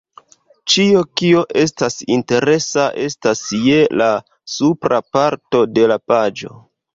Ĉio kio estas interesa estas je la supra parto de la paĝo